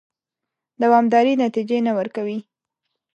دوامدارې نتیجې نه ورکوي.